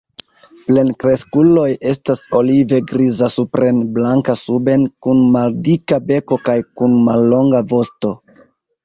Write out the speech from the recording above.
Plenkreskuloj estas olive-griza supren, blanka suben, kun maldika beko kaj kun mallonga vosto.